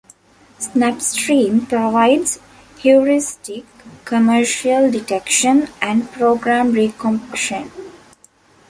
Snapstream provides heuristic commercial detection and program recompression.